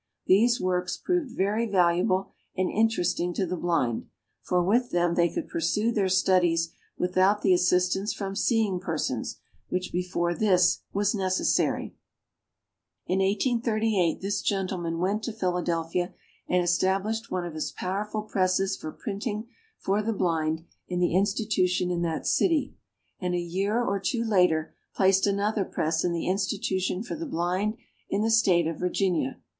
These works proved very valuable and interesting to the blind for with them they could pursue their studies without the assistance from seeing persons, which, before this, was necessary. In 1838 this gentleman went to Philadelphia, and established one of his powerful presses for printing for the blind in the Institution in that city; and a year or two later placed another press in the Institution for the Blind in the State of Virginia.